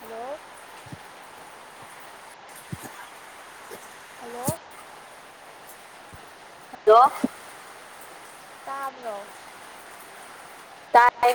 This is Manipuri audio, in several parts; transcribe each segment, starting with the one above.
ꯍꯜꯂꯣ ꯍꯜꯂꯣ ꯍꯜꯂꯣ ꯇꯥꯕ꯭ꯔꯣ? ꯇꯥꯏ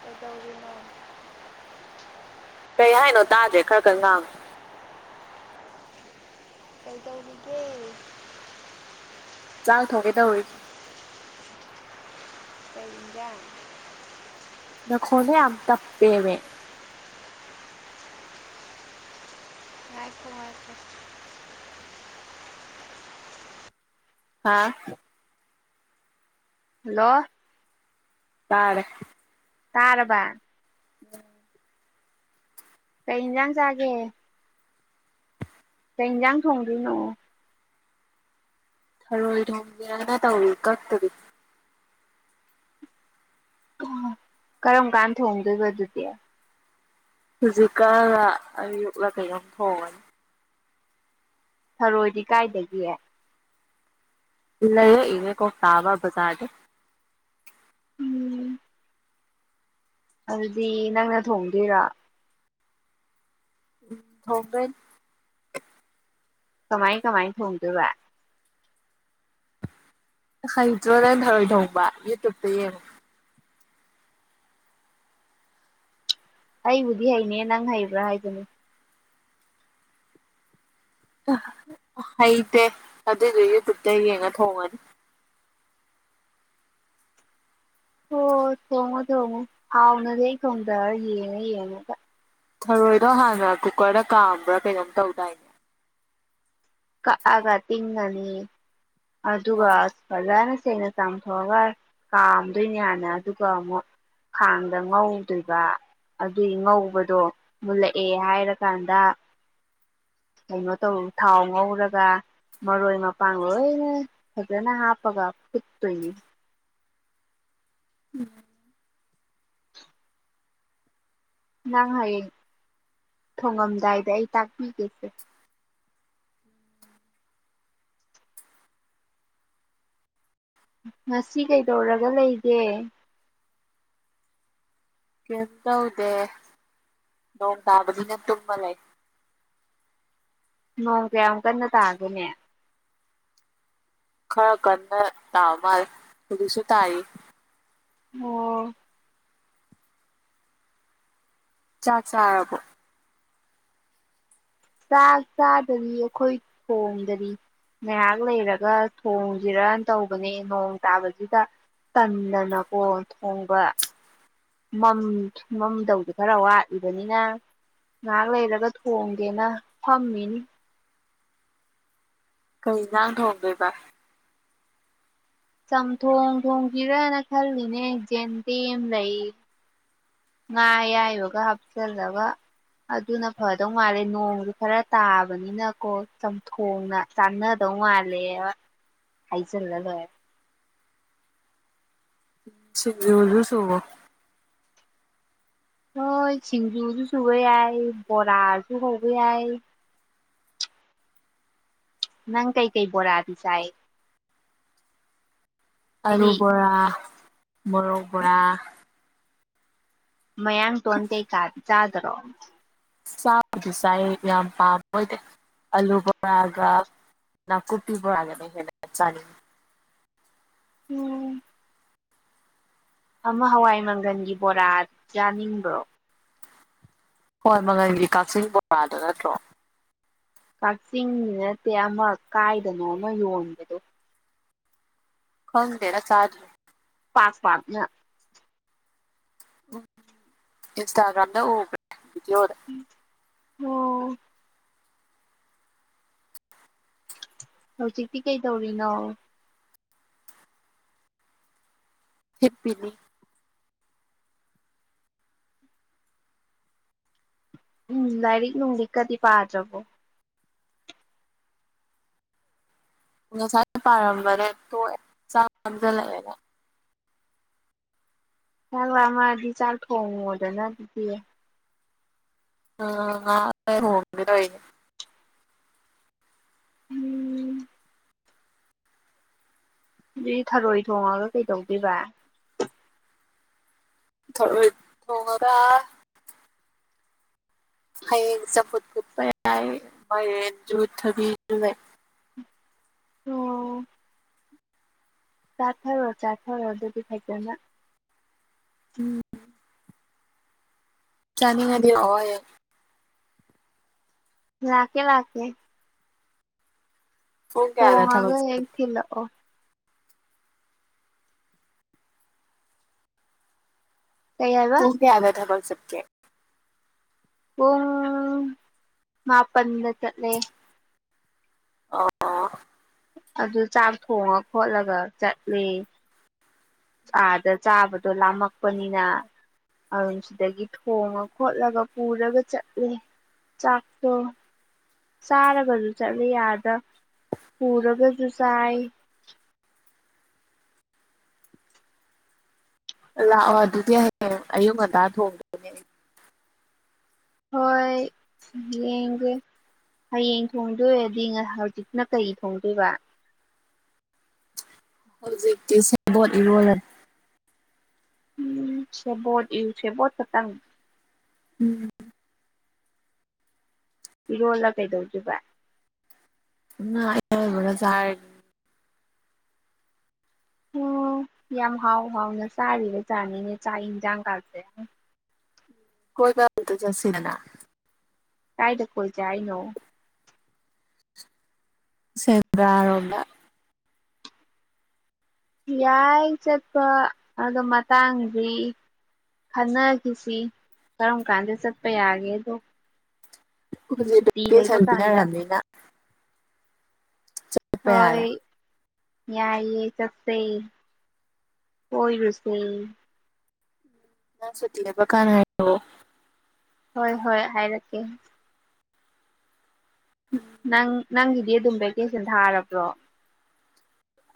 ꯀꯩꯗꯧꯔꯤꯅꯣ? ꯀꯩ ꯍꯥꯏꯅꯣ ꯇꯥꯗ꯭ꯔꯦ ꯈꯔꯥ ꯀꯟ ꯉꯥꯡꯉꯣ꯫ ꯀꯩꯗꯧꯔꯤꯒꯦ? ꯆꯥꯛ ꯊꯣꯡꯒꯦꯇꯧꯔꯤ꯫ ꯀꯩ ꯏꯟꯖꯡ? ꯅꯈꯣꯟꯗꯣ ꯌꯥꯝ ꯇꯞꯄꯦꯃꯦ ꯉꯥꯏꯈꯣ ꯉꯥꯏꯈꯣ ꯍꯥꯥ ꯍꯜꯂꯣ ꯇꯥꯔꯦ ꯇꯥꯔꯕ? [unintelligible] ꯀꯩ ꯏꯟꯖꯡ ꯆꯥꯒꯦ? ꯀꯩ ꯏꯟꯖꯡ ꯊꯣꯡꯗꯣꯏꯅꯣ? ꯊꯔꯣꯏ ꯊꯣꯡꯒꯦꯅ ꯇꯧꯔꯤ ꯀꯛꯇꯔꯤ꯫ ꯑꯣ ꯀꯔꯝ ꯀꯥꯟ ꯊꯣꯡꯗꯣꯏꯕ ꯑꯗꯨꯗꯤ? ꯍꯧꯖꯤꯛ ꯀꯟꯔꯥ ꯑꯌꯨꯛꯂꯥ ꯀꯩꯅꯣꯝ ꯊꯣꯡꯉꯅꯤ ꯊꯔꯣꯏꯗꯤ ꯀꯥꯏꯗꯒꯤ? ꯂꯩꯔꯛꯏꯅꯦ ꯀꯣꯛꯇ ꯑꯃꯥ ꯕꯖꯥꯔꯗꯩꯩ꯫ ꯎꯝ ꯑꯗꯨꯗꯤ ꯅꯪꯅ ꯊꯣꯡꯗꯣꯏꯔꯣ? ꯎꯝ ꯊꯣꯡꯗꯣꯏꯅꯦ꯫ ꯀꯃꯥꯏ ꯀꯃꯥꯏ ꯊꯣꯡꯗꯣꯏꯕ? ꯍꯩꯇ꯭ꯔꯣ ꯅꯪ ꯊꯔꯣꯏ ꯊꯣꯡꯕ? ꯌꯨꯇꯨꯞꯇ ꯌꯦꯡꯉꯣ꯫ ꯑꯩꯕꯨꯗꯤ ꯍꯩꯅꯦ ꯅꯪ ꯍꯩꯕ꯭ꯔꯥ ꯍꯥꯏꯕꯅꯦ? [unintelligible] ꯍꯩꯇꯦ ꯑꯗꯨꯏꯁꯨ ꯌꯨꯇꯨꯕꯇ ꯌꯦꯡꯉ ꯊꯣꯡꯉꯅꯤ꯫ ꯑꯣ ꯊꯣꯡꯉꯣ ꯊꯣꯡꯉꯣ ꯍꯥꯎꯥꯅꯍꯛ ꯊꯣꯡꯗꯔꯥ ꯌꯦꯡꯉꯥ ꯌꯦꯡꯉꯥꯒꯥ ꯊꯔꯣꯏꯗꯣ ꯍꯥꯟꯅ ꯀꯨꯀꯔꯗ ꯀꯥꯝꯕ꯭ꯔꯥ ꯀꯩꯅꯣꯝ ꯇꯧꯗꯥꯏꯅꯦ ꯀꯛꯑꯒ ꯇꯤꯡꯉꯥꯅꯤ ꯑ ꯑꯗꯨꯒ ꯐꯥꯖꯅ ꯁꯦꯡꯅ ꯆꯥꯝꯊꯣꯛꯑꯒ ꯀꯥꯝꯗꯣꯏꯅꯦ ꯍꯥꯟꯅ ꯑꯗꯨꯒ ꯑꯃꯨꯛ ꯈꯥꯡꯗ ꯉꯧꯗꯣꯏꯕ ꯑꯗꯨꯏ ꯉꯧꯕꯗꯣ ꯃꯨꯜꯂꯛꯑꯦ ꯍꯥꯏꯔꯀꯥꯟꯗ ꯀꯩꯅꯣ ꯇꯧ ꯊꯥꯎ ꯉꯧꯔꯒ ꯃꯔꯣꯏ ꯃꯄꯥꯡ ꯂꯣꯏ ꯐꯖꯅ ꯍꯥꯄꯒ ꯐꯨꯠꯇꯣꯏꯅꯤ [unintelligible] ꯅꯪ ꯍꯌꯦꯡ ꯊꯣꯡꯉꯝꯗꯥꯏꯗ ꯑꯩ ꯇꯥꯛꯄꯤꯒꯦꯁꯦ ꯉꯁꯤ ꯀꯩꯗꯧꯔꯒ ꯂꯩꯒꯦ ꯀꯔꯤꯝ ꯇꯧꯗꯦ ꯅꯣꯡ ꯇꯥꯕꯅꯤꯅ ꯇꯨꯝꯃ ꯂꯩ ꯅꯣꯡ ꯀꯌꯥꯝ ꯀꯟꯅ ꯇꯥꯒꯦꯅꯦ ꯈꯔ ꯀꯟꯅ ꯇꯥꯃꯥꯜꯂꯦ ꯍꯧꯖꯤꯛꯁꯨ ꯇꯥꯌꯦ ꯑꯣ ꯆꯥꯛ ꯆꯥꯔꯕꯣ ꯆꯥꯛ ꯆꯥꯗꯔꯤ ꯑꯩꯈꯣꯏ ꯊꯣꯡꯗꯔꯤ ꯉꯥꯏꯍꯥꯛ ꯂꯩꯔꯒ ꯊꯣꯡꯁꯤꯔ ꯇꯧꯕꯅꯦ ꯅꯣꯡ ꯇꯥꯕꯁꯤꯗ ꯇꯟꯗꯅꯀꯣ ꯊꯣꯡꯕ ꯝ ꯃꯝꯗꯧꯗꯤ ꯈꯔ ꯋꯥꯠꯂꯤꯕꯅꯤꯅ ꯉꯥꯏꯍꯥꯛ ꯂꯩꯔꯒ ꯊꯣꯡꯒꯦꯅ ꯐꯝꯃꯤꯅꯤ ꯀꯩ ꯅꯥꯡ ꯊꯣꯡꯒꯦꯕ ꯆꯝꯊꯣꯡ ꯊꯣꯡꯒꯤꯔꯅ ꯈꯜꯂꯤꯅꯦ ꯖꯦꯟꯗꯦꯝ ꯂꯩ ꯉꯥ ꯌꯥꯏꯕꯒ ꯍꯥꯞꯆꯤꯜꯂꯒ ꯑꯗꯨꯅ ꯐꯗꯧ ꯃꯥꯜꯂꯦ ꯅꯣꯡꯁꯨ ꯈꯔ ꯇꯥꯕꯅꯤꯅꯀꯣ ꯆꯝꯊꯣꯡꯅ ꯆꯥꯅꯗꯧ ꯃꯥꯜꯂꯦ ꯍꯥꯏꯖꯤꯜꯂ ꯂꯣꯏꯔꯦ ꯁꯤꯖꯁꯨꯕꯣ ꯍꯣꯏ ꯇꯁꯤꯡꯖꯨꯁꯨ ꯁꯕꯩ ꯌꯥꯏ ꯕꯣꯔꯥꯁꯨ ꯁꯕꯩ ꯌꯥꯏ ꯅꯪ ꯀꯩ ꯀꯩ ꯣꯣꯔꯗꯤ ꯁꯥꯥꯏ ꯑꯔꯨꯕꯣꯔꯥ ꯃꯔ ꯄꯨꯔ ꯃꯌꯥꯡ ꯇꯣꯟꯣꯟꯇꯦ ꯀꯥ ꯆꯥꯗꯔꯣ ꯆꯥꯕꯗꯨ ꯆꯥꯏ ꯌꯥꯝ ꯄꯥꯝꯕꯣꯏꯗꯤ ꯑꯂꯨ ꯄꯨꯕꯣꯔꯛꯒ ꯅꯥꯀꯨꯞꯄꯤ ꯄꯨꯕꯣꯔꯥꯒꯅ ꯍꯦꯟꯅ ꯆꯥꯅꯤꯡꯉꯤ ꯎꯝ ꯑꯃ ꯍꯋꯥꯏ ꯃꯪꯒꯜꯒꯤ ꯕꯣꯔꯥ ꯌꯥꯥꯅꯤꯡꯕ꯭ꯔꯣ ꯍꯣꯏ ꯃꯒꯟꯒꯤ ꯀꯛꯆꯤꯡ ꯕꯣꯔꯥꯗ ꯅꯠꯇ꯭ꯔꯣ ꯀꯛꯆꯤꯡꯗꯤ ꯅꯠꯇꯦ ꯑꯃ ꯀꯥꯏꯗꯅꯣ ꯑꯃ ꯌꯣꯟꯕꯗꯣ ꯈꯪꯗꯦꯔ ꯆ ꯄꯥꯥꯁ ꯄꯥ ꯏꯟꯁꯇꯥꯒ꯭ꯔꯥꯝ ꯅ ꯎꯕ ꯌꯔ ꯑꯣꯝ ꯍꯧꯖꯤꯛꯇꯤ ꯀꯩ ꯇꯧꯔꯤꯅꯣ ꯆꯄꯤꯅꯤ ꯎꯝ ꯂꯥꯏꯔꯤꯛ ꯅꯨꯡ ꯂꯤꯛꯀꯗꯤ ꯄꯥꯗ꯭ꯔꯕꯣ ꯉꯁꯥꯏꯅ ꯄꯥꯔꯝꯕꯅꯦ ꯇꯣꯛꯑꯦ ꯆꯥꯡ ꯅꯝꯖꯜꯂꯛꯑꯦꯅ ꯆꯥꯛ ꯂꯃꯗꯤ ꯆꯥꯛ ꯊꯣꯡꯉꯣꯗꯅ ꯑꯗꯨꯗꯤ ꯑ ꯉ ꯍꯣꯡꯔ ꯎꯝ ꯑꯗꯨ ꯊꯔꯣꯏ ꯊꯣꯡꯉꯒ ꯀꯩꯗꯧꯗꯣꯏꯕ ꯊ ꯊꯉꯗ ꯍꯌꯦꯖꯠꯨꯄ ꯃ ꯊꯕꯤ ꯑꯣ ꯆꯥꯊꯔꯣ ꯆꯥꯊꯔꯣ ꯑꯗꯨꯗꯤ ꯐꯩꯖꯅ ꯎꯝ ꯆꯅꯤ ꯉꯗꯤ ꯋꯥ ꯂꯥꯛꯀꯦ ꯂꯥꯛꯀꯦ ꯄꯨꯡ ꯀꯌꯥꯗ ꯍꯒ ꯊꯕꯛ ꯌꯦꯡ ꯊꯂ ꯑꯣ ꯀꯩ ꯍꯥꯏꯕ ꯇꯣꯡꯦ ꯌꯥ ꯊ ꯁ ꯀꯦ ꯎ ꯃꯥꯄꯟꯗ ꯆꯠꯂꯦ ꯑꯣ ꯑꯗꯨ ꯆꯥꯛ ꯊꯣꯡꯉ ꯈꯣꯠꯂꯒ ꯆꯠꯂꯤ ꯑꯥꯗ ꯆꯥꯕꯗꯣ ꯂꯥꯝꯃꯛꯄꯅꯤꯅ ꯑꯗꯨ ꯁꯤꯗꯒꯤ ꯊꯣꯡꯉ ꯈꯣꯠꯂꯒ ꯄꯨꯔꯒ ꯆꯠꯂꯦ ꯆꯥꯛꯇꯣ ꯆꯥꯔꯒꯁꯨ ꯆꯠꯂꯦ ꯑꯗ ꯄꯨꯔꯒꯁꯨ ꯆꯥꯏ ꯂꯥꯛꯑꯣ ꯑꯗꯨꯗꯤ ꯍꯌꯦꯡ ꯑꯌꯨꯛ ꯉꯟꯇꯥ ꯊꯣꯡꯗꯅꯦ ꯍꯣꯏ ꯍꯌꯦꯡꯁ ꯍꯌꯦꯡ ꯊꯣꯡꯗꯣꯏꯔꯗꯤ ꯍꯧꯖꯤꯛꯅ ꯀꯩ ꯊꯣꯡꯗꯣꯏꯕ ꯍꯧꯖꯤꯛꯇꯤ ꯁꯦꯕꯣꯠ ꯏꯔꯣꯜꯂꯅꯤ ꯁꯦꯕꯣꯠ ꯁꯦꯕꯣꯠ ꯈꯠꯪ ꯎꯝ ꯏꯔꯣꯂ ꯀꯩꯗꯧꯗꯣꯏꯕ ꯉꯥ ꯑꯇꯥꯎꯕꯒꯥ ꯆꯔꯥꯅꯤ ꯑꯣ ꯌꯥꯝ ꯍꯥꯎ ꯍꯥꯎꯅ ꯆꯥꯔꯤꯕ ꯆꯥꯅꯤꯅꯦ ꯆꯥꯛ ꯌꯦꯟꯖꯥꯡꯒꯥꯁꯦ ꯀꯣꯏꯕ ꯑꯃꯇ ꯆꯠꯁꯤꯗꯅ ꯇꯥꯏꯗ ꯀꯣꯏ ꯖꯦ ꯍꯥꯏꯅꯣ ꯁꯦꯟꯗꯔꯣꯝꯗ ꯌꯥꯏ ꯆꯠꯄ ꯑꯗꯣ ꯃꯇꯥꯡꯗꯤ ꯈꯟꯅꯈꯤꯁꯤ ꯀꯔꯝ ꯀꯥꯟꯗ ꯆꯠꯄ ꯌꯥꯒꯦꯗꯣ ꯍꯨꯖꯤꯛ ꯁꯨꯇꯤ ꯀꯩ ꯂꯩꯕ ꯁꯥꯏꯟ ꯀꯥꯟꯗ ꯄꯤꯅꯔꯃꯤꯅꯥ ꯍꯣꯏ ꯌꯥꯏꯌꯦ ꯆꯠꯁꯦ ꯀꯣꯏꯔꯨꯁꯦ ꯅꯪ ꯁꯨꯇꯤ ꯂꯩꯕꯥ ꯀꯥꯟ ꯍꯥꯏꯔꯛ ꯑꯣ ꯍꯣꯏ ꯍꯣꯏ ꯍꯥꯏꯔꯛꯀꯦ ꯅꯪ ꯅꯪꯒꯤꯗꯤ ꯑꯗꯨꯝ ꯚꯦꯀꯦꯁꯟ ꯊꯥꯔꯕ꯭ꯔꯣ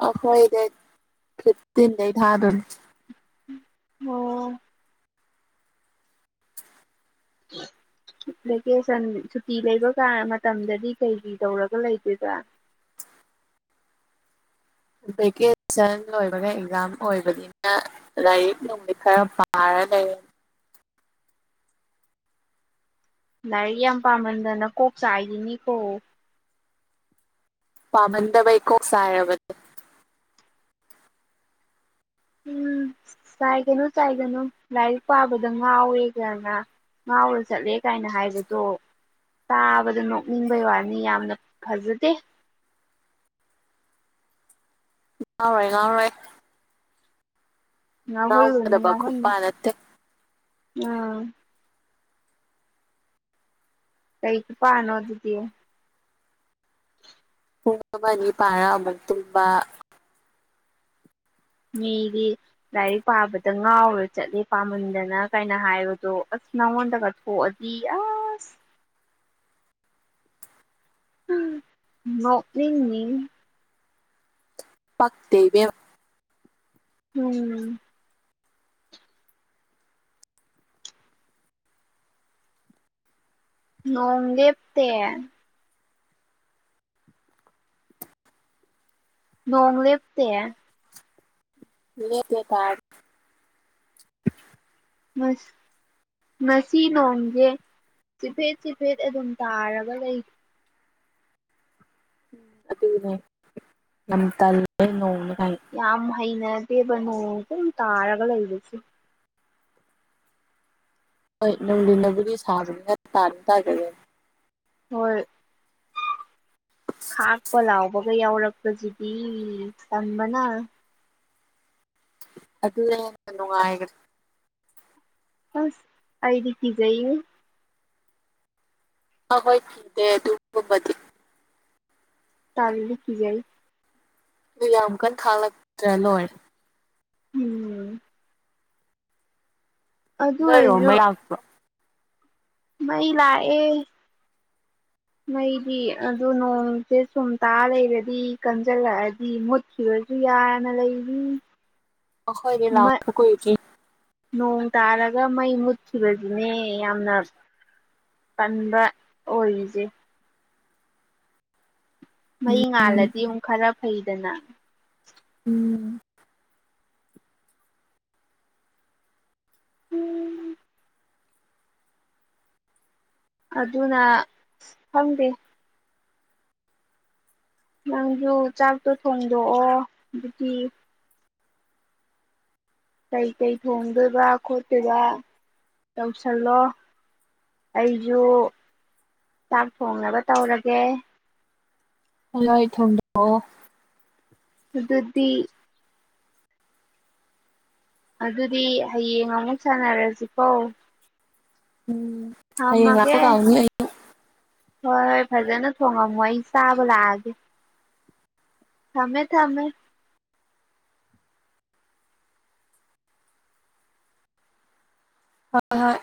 ꯑ ꯍꯣꯏ ꯗꯦꯠ ꯐꯤꯞꯇꯤꯟ ꯗꯩ ꯊꯥꯗꯣꯏꯅꯦ ꯑꯣ ꯚꯦꯀꯦꯁꯟ ꯁꯨꯇꯤ ꯂꯩꯕ ꯀꯥ ꯃꯇꯝꯗꯗꯤ ꯀꯩ ꯀꯩ ꯇꯧꯔꯒ ꯂꯩꯗꯣꯏꯕ ꯚꯦꯀꯦꯁꯟ ꯂꯣꯏꯕꯒ ꯑꯦꯛꯖꯥꯝ ꯑꯣꯏꯕꯅꯤꯅ ꯂꯥꯏꯔꯤꯛ ꯅꯨꯡꯗꯤ ꯈꯔ ꯄꯥꯔ ꯂꯩꯔꯦ ꯂꯥꯏꯔꯤꯛ ꯌꯥꯝ ꯄꯥꯝꯃꯟꯗꯅ ꯀꯣꯛ ꯆꯥꯏꯒꯤꯅꯤꯀꯣ ꯄꯥꯃꯟꯗꯕꯩ ꯀꯣꯛ ꯆꯥꯏꯔꯕꯅꯦ ꯎꯝ ꯆꯥꯏꯒꯅꯨ ꯆꯥꯏꯒꯅꯨ ꯂꯥꯏꯔꯤꯛ ꯄꯥꯕꯗ ꯉꯥꯎꯋꯦꯒꯅ ꯉꯥꯎꯔ ꯆꯠꯂꯦ ꯀꯥꯏꯅ ꯍꯥꯏꯕꯗꯣ ꯇꯥꯕꯗ ꯅꯣꯛꯅꯤꯡꯕꯩ ꯋꯥꯅꯤ ꯌꯥꯝꯅ ꯐꯖꯗꯦ ꯉꯥꯎꯔꯣꯏ ꯉꯥꯎꯔꯣꯏ ꯉꯥꯎꯍꯜꯂꯨꯅꯨ ꯉꯥꯎꯒꯗꯕ ꯉꯥꯎꯍꯟꯅꯨ ꯈꯨꯄꯥ ꯅꯠꯇꯦ ꯉꯥ ꯀꯩ ꯈꯨꯄꯅꯣꯗꯨꯗꯤ ꯄꯨꯡ ꯑꯃꯅꯤ ꯄꯔ ꯑꯃꯨꯛ ꯇꯨꯝꯕ ꯃꯤꯗꯤ ꯂꯥꯏꯔꯤꯛ ꯄꯥꯕꯗ ꯉꯥꯎꯔ ꯆꯠꯂꯦ ꯄꯥꯃꯟꯗꯅ ꯀꯥꯏꯅ ꯍꯥꯏꯕꯗꯣ ꯑꯁ ꯅꯪꯉꯣꯟꯗꯒ ꯊꯣꯛꯑꯗꯤ ꯑꯁ ꯎꯝ ꯅꯣꯛꯅꯤꯡꯅꯤ ꯄꯛꯇꯦ ꯏꯕꯦꯝꯃꯥ ꯎꯝ ꯅꯣꯡ ꯂꯦꯞꯇꯦ ꯅꯣꯡ ꯂꯦꯞꯇꯦ ꯂꯦꯞꯇꯦ ꯇꯥꯔꯤ ꯉꯁꯤ ꯅꯣꯡꯁꯦ ꯆꯤꯐꯦꯠ ꯆꯤꯐꯦꯠ ꯑꯗꯨꯝ ꯇꯥꯔꯒ ꯂꯩ ꯎꯝ ꯑꯗꯨꯅꯦ ꯌꯥꯝ ꯇꯜꯂꯦ ꯅꯣꯡꯅꯤ ꯌꯥꯝ ꯍꯩꯅ ꯇꯦꯕꯥ ꯅꯣꯡ ꯄꯨꯝ ꯇꯥꯔꯒ ꯂꯩꯔꯤꯁꯤ ꯍꯣꯏ ꯅꯨꯡꯂꯤꯅꯕꯨꯗꯤ ꯁꯥꯕꯅꯤꯅ ꯇꯥꯔꯤ ꯇꯥꯖꯒꯦ ꯍꯣꯏ ꯈꯥꯛꯄ ꯂꯥꯎꯕꯒ ꯌꯥꯎꯔꯛꯄꯁꯤꯗꯤ ꯇꯟꯕꯅ ꯑꯗꯨ ꯌꯥꯝꯅꯥ ꯅꯨꯡꯉꯥꯢꯒꯅꯤ ꯑꯁ ꯑꯩꯗꯤꯀꯤꯖꯩ ꯑꯍꯣꯏ ꯀꯤꯗꯦ ꯑꯗꯨꯒꯨꯃꯕꯗꯤ ꯇꯥꯕꯤꯂꯤ ꯀꯤꯖꯩ ꯑꯗꯨ ꯌꯥꯝ ꯀꯟꯅ ꯊꯥꯡꯂꯛꯇ꯭ꯔ ꯂꯣꯏ ꯎꯝ ꯑꯗꯨ ꯅꯣ ꯑꯣꯏꯔꯁꯨ ꯃꯩꯥꯛꯄ ꯃꯩ ꯂ ꯑꯦ ꯃꯩꯗꯤ ꯑꯗꯨ ꯅꯣꯡꯁꯦ ꯁꯨꯝ ꯇꯥ ꯂꯩꯔꯗꯤ ꯀꯟꯁꯤꯜꯂꯛꯑꯗꯤ ꯃꯨꯠꯈꯤꯕꯁꯨ ꯌꯥꯅ ꯂꯩꯔꯤ ꯑ ꯍꯣꯏꯅꯦ ꯂꯥꯎ ꯀꯣꯏ ꯅꯣꯡ ꯇꯥꯔꯒ ꯃꯩ ꯃꯨꯠꯈꯤꯕꯁꯤꯅꯦ ꯌꯥꯝꯅ ꯀꯟꯕ ꯑꯣꯏꯔꯤꯁꯦ ꯃꯍꯩ ꯎꯝ ꯉꯥꯜꯂꯗꯤ ꯑꯃꯨꯛ ꯈꯔ ꯍꯩꯗꯅ ꯎꯝ ꯎꯝ ꯑꯗꯨꯅ ꯑꯁ ꯈꯪꯗꯦ ꯅꯪꯁꯨ ꯆꯥꯛꯇꯣ ꯊꯣꯡꯗꯣꯛꯑꯣ ꯑꯗꯨꯗꯤ ꯀꯩꯀꯩ ꯊꯣꯡꯗꯣꯏꯕ ꯈꯣꯠꯇꯣꯏꯕ ꯇꯧꯁꯜꯂꯣ ꯑꯩꯁꯨ ꯆꯥꯛ ꯊꯣꯡꯅꯕ ꯇꯧꯔꯒꯦ ꯍꯜꯂꯣ ꯑꯩ ꯊꯣꯣ ꯑꯗꯨꯗꯨꯗꯤ ꯑꯗꯨꯗꯤ ꯍꯌꯦꯡ ꯑꯃꯨꯛ ꯁꯥꯟꯅꯔꯁꯤꯀꯣ ꯎꯝ ꯍꯌꯦꯡ ꯉꯄ ꯊꯝꯃꯒꯦ ꯀꯥꯎꯅꯤ ꯑ ꯍꯣꯏ ꯍꯣꯏ ꯐꯖꯅ ꯊꯣꯡꯉꯝꯃꯣ ꯑꯩ ꯆꯥꯕ ꯂꯥꯛꯑꯒꯦ ꯊꯝꯃꯦ ꯊꯝꯃꯦ ꯍ ꯍꯣꯏ